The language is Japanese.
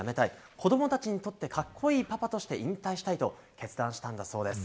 子供たちにとって格好いいパパとして引退したいと決断したんだそうです。